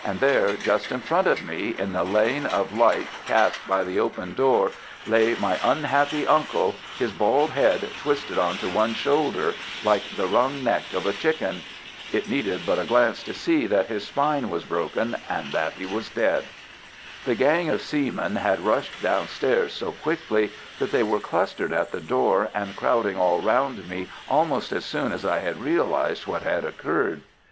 And there, just in front of me, in the lane of light cast by the open door, lay my unhappy uncle, his bald head twisted on to one shoulder, like the wrung neck of a chicken. It needed but a glance to see that his spine was broken and that he was dead. The gang of seamen had rushed downstairs so quickly that they were clustered at the door and crowding all round me almost as soon as I had realized what had occurred.